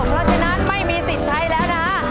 เพราะฉะนั้นไม่มีสิทธิ์ใช้แล้วนะ